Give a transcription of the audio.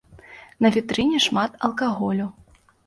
На вітрыне шмат алкаголю.